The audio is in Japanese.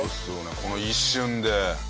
この一瞬で。